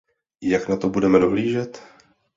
Jak na to budeme dohlížet?